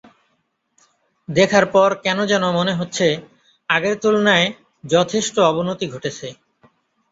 দেখার পর কেন যেন মনে হচ্ছে আগের তুলনায় যথেষ্ট অবনতি ঘটেছে।